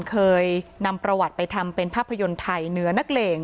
เคยนำประวัติไปทำเป็นภาพยนตร์ไทยเหนือนักเลง